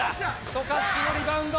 渡嘉敷のリバウンド。